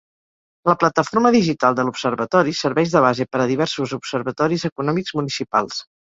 La plataforma digital de l'observatori serveix de base per a diversos observatoris econòmics municipals.